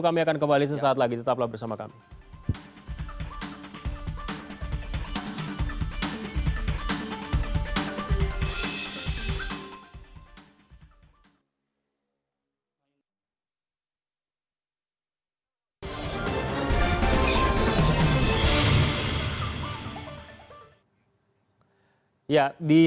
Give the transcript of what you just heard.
kami akan kembali sesaat lagi tetaplah bersama kami